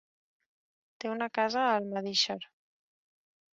Té una casa a Almedíxer.